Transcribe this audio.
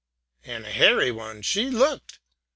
And a hairy one she looked!